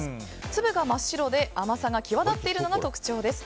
粒が真っ白で甘さが際立っているのが特徴です。